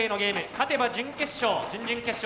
勝てば準決勝。